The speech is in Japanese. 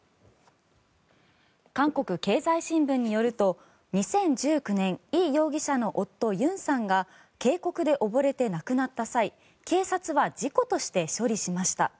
韓国経済新聞によると２０１９年イ容疑者の夫・ユンさんが渓谷で溺れて亡くなった際警察は事故として処理しました。